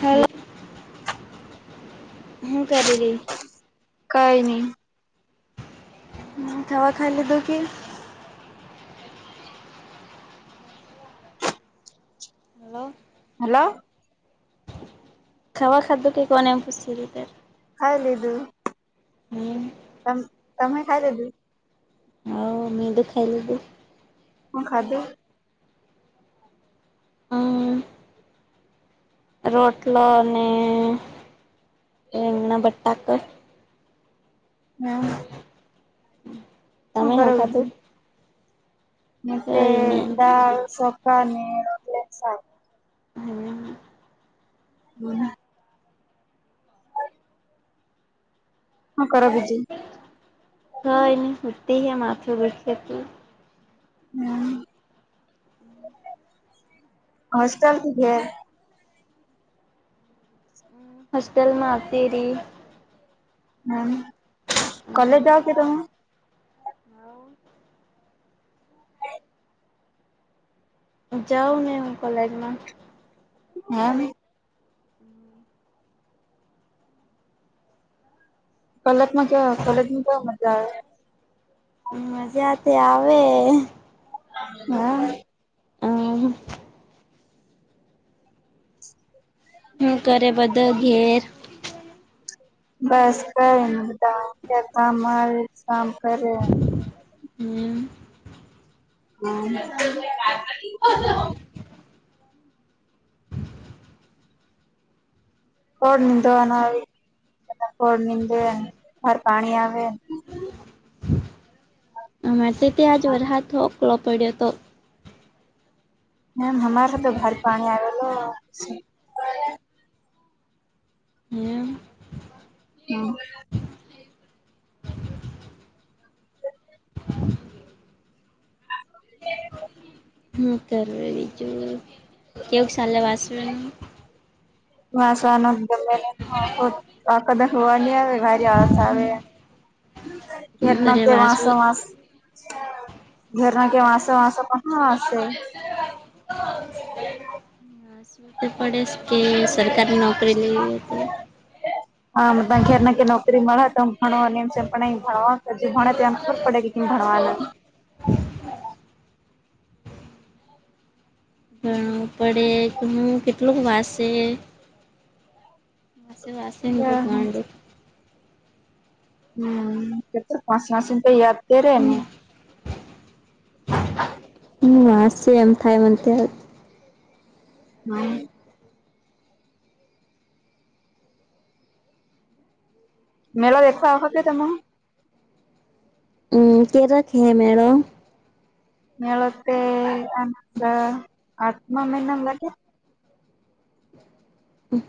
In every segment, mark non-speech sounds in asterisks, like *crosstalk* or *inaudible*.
Hello શું કરી રહી. કઈ નહી. હ દવા ખાઇ લીધો કે, હલો, હલો, ખાવા ખાધું કે કોને પુશ, ખાઈ લીધું હમ તમે ખાઈ લીધું. હ મે ખાઈ લીધું. શું ખાધું. હ. રોટલો અને રીગણા બટાકા. હમ. તમે શું ખાધું. કઈ મેં નહી દાળ ચોખા, હમ. બેહ, શું કરે બીજું, હા એન. હમ હોસ્લથી છે. હોસ્ટેલમાં આવતી રહી. હમ કોલેજ જવા કે તમે. હ જાવ ને હું કોલેજમાં. હા ભી કોલેજમાં ક્યા મજા આવે. મજા તો આવે, હા હ હું કરે બધા ઘેર બસ ક કેતારી સાં કરરે હમ હ ફોળ નિનીંદવા ના આવી બા ફોળ નીંદે બહાર પાણી આવે અમારે તે તે આજર હાથો કલો પડ્યો તો મેમ હમારે તો ભારે પાણી આવેલો હ હમ *inaudible* હું કરું બીજું કેવું સાલે વાસ માસ કદાચ હોવા નહી આવે ભરી આળસ આવે હું ઘર ન કરે તે વાસુ વાસો વાસ ઘર ના કે વાસ વાસોશે પડેસ કે સરકારી નોકરી લઈએ તો હામ ઘેર ના નોકરી મળે તો ભણો અને એમમ ભાવ જે ભણે એમ ખબ પડે કેમ ભવાન ભણવું પડે કે હું કેટલુંક વાસે વા સિંધુ પામાંડુ હમ કે તો પાસે માસી તો યાદ દરે હ વાસ છે એમ થાય મ ત્યાં હમ મેળ દેતા વખતે તમે હમ કે રખે મરો મેળતે આ આઠમા મહિના લાગે હ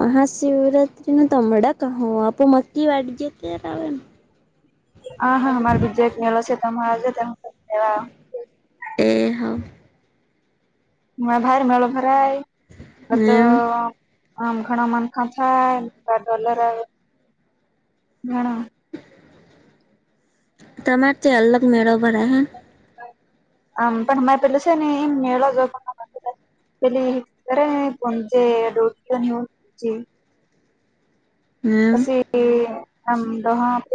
મહાશિવરાત્રી નું તમડા કહ આપ મકી વાડી જે ત્યારે આવે ને હા હા અમારે બીજો એક મેલો છેજવા. એ હા હ ભાર મેળ ભરાય અ તો હમ આમ ઘણા મનખ થોલ ઘણા તમારે તે અલગ મેળબર હ આમ પણ મા પેલ છે મેળ જ લી્યારે કોચટ હમ પછી આમ દહા દ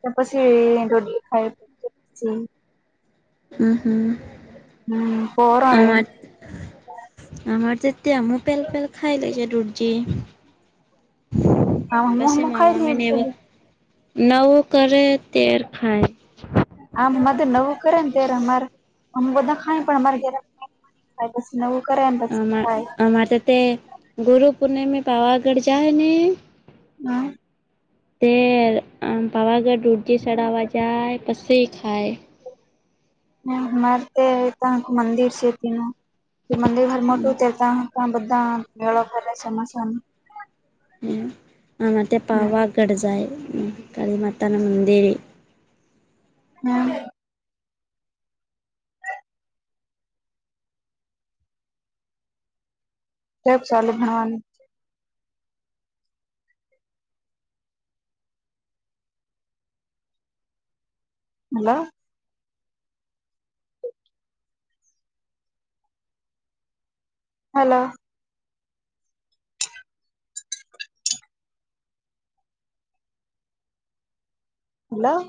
ત પછી રોઢ ખાય પછી હમ હમ હમ *unintelligible* *unintelligible* આમ હમ હમ ખાઈ લઈએ પેલી *unintelligible* નવું કરે તેર ખાય આમ તો નવું કરે ને ત્યારે અમારે અમ બધા ખાય પણ અમારે ઘ પસી નવું કરે પછી અમાર ખાય અમારે તે ગુરુ પૂર્ણિમે પાવા ગઢ જાય ને *inaudible* તે આમ પાવાગઢ રૂઢજી ચડાવા જાય પસી ખાય *inaudible* હમ *inaudible* હ આમે તે હમ પવા ગઢ જાય કાલી માતા ના મંદીરે હમ *inaudible* ભણવાનું હલો હાલો હાલો